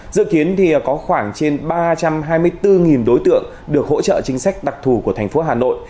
dự kiến có khoảng trên ba trăm hai mươi bốn đối tượng được hỗ trợ chính sách đặc thù của tp hà nội